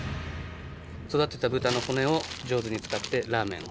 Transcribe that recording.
育てた豚の骨を上手に使ってラーメンを。